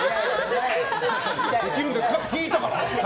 できるんですか？って聞いたよ。